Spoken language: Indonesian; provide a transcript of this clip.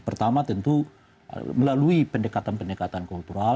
pertama tentu melalui pendekatan pendekatan kultural